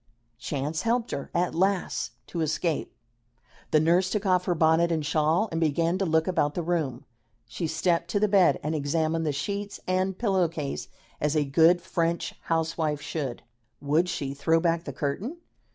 Chance helped her, at last, to escape. The nurse took off her bonnet and shawl and began to look about the room. She stepped to the bed and examined the sheets and pillow case as a good French housewife should. Would she throw back the curtain?